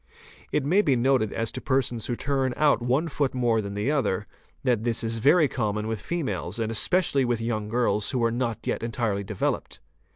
It may be noted as to persons who turn out one foot more than another, that this is very common with females and especially with young girls who are not yet entirely developed.